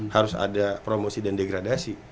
harus ada promosi dan degradasi